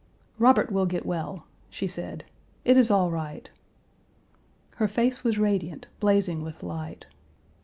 "Robert will get well," she said, "it is all right." Her face was radiant, blazing with light.